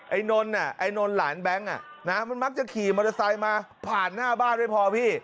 นนไอ้นนหลานแบงค์มันมักจะขี่มอเตอร์ไซค์มาผ่านหน้าบ้านไม่พอพี่